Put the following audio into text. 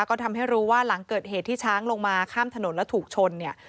ก็ทำให้รู้ว่าหลังเกิดเหตุที่ช้างลงมาข้ามถนนแล้วถูกชนเนี่ย